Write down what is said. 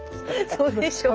そうでしょう。